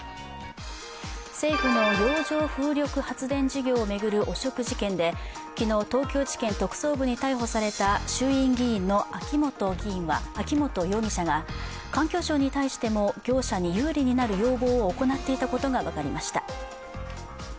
政府の洋上風力発電事業を巡る汚職事件で、昨日、東京地検特捜部に逮捕された衆院議員の秋本容疑者が環境省に対しても業者に有利になる要望を行っていたことが分かりました。